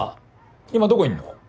今どこいんの？